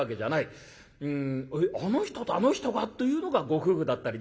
あの人とあの人が？」というのがご夫婦だったりなんかする。